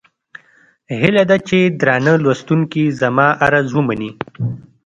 هيله ده چې درانه لوستونکي زما عرض ومني.